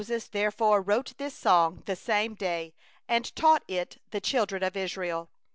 22So Moses wrote this song the same day, and taught it the children of Israel.